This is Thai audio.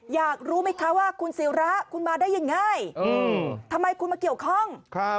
อยากรู้ไหมคะว่าคุณศิระคุณมาได้ยังไงทำไมคุณมาเกี่ยวข้อง